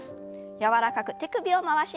柔らかく手首を回します。